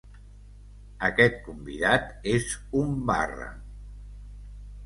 Aquest convidat és un barra!